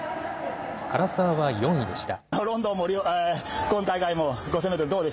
唐澤は４位でした。